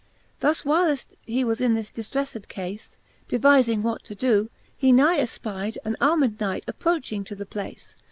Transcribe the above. Thus whilft he was in this diftrelled cafe, Devifing what to doe, he nigh efpyde An armed Knight approaching to the place.